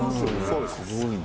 そうですね